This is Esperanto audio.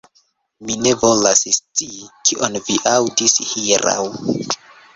Mi ne volas scii, kion vi aŭdis hieraŭ.